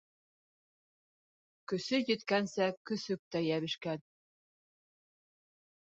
Көсө еткәнгә көсөк тә йәбешкән.